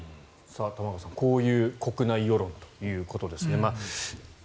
玉川さん、こういう国内世論ということですね。